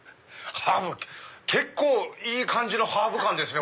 結構いい感じのハーブ感ですね。